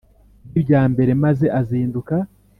Nk ibya mbere maze azinduka